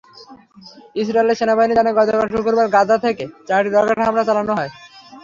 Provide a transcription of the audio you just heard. ইসরায়েলের সেনাবাহিনী জানায়, গতকাল শুক্রবার গাজা থেকে চারটি রকেট হামলা চালানো হয়।